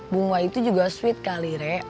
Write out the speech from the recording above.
bunga itu juga sweet kali re